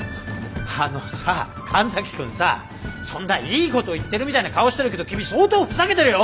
あのさ神崎君さそんないいこと言ってるみたいな顔してるけど君相当ふざけてるよ？